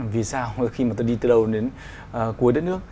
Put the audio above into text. vì sao khi mà tôi đi từ đâu đến cuối đất nước